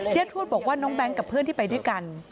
ทวดบอกว่าน้องแบงค์กับเพื่อนที่ไปด้วยกัน